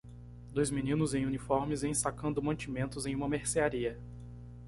Dois meninos em uniformes ensacando mantimentos em uma mercearia.